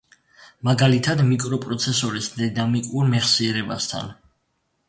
მაგალითად, მიკროპროცესორის დინამიკურ მეხსიერებასთან.